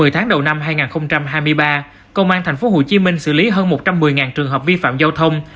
một mươi tháng đầu năm hai nghìn hai mươi ba công an tp hcm xử lý hơn một trăm một mươi trường hợp vi phạm giao thông